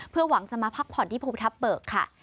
เพื่อหวังจะมาพักผ่อนที่ภูทับเบิกค่ะ